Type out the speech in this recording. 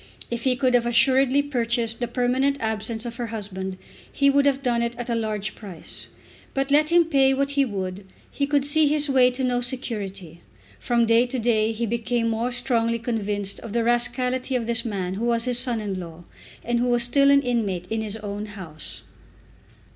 If he could have assuredly purchased the permanent absence of her husband, he would have done it at a large price. But let him pay what he would, he could see his way to no security. From day to day he became more strongly convinced of the rascality of this man who was his son in law, and who was still an inmate in his own house.